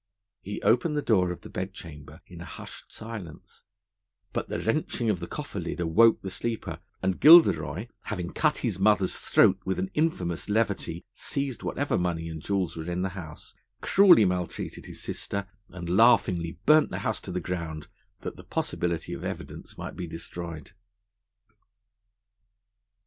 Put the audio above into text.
He opened the door of the bed chamber in a hushed silence; but the wrenching of the cofferlid awoke the sleeper, and Gilderoy, having cut his mother's throat with an infamous levity, seized whatever money and jewels were in the house, cruelly maltreated his sister, and laughingly burnt the house to the ground, that the possibility of evidence might be destroyed.